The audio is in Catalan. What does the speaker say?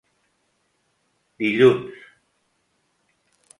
Dilluns: